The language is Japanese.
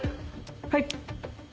はい。